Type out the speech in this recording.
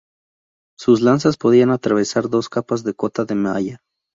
Sus lanzas podían atravesar dos capas de cota de malla.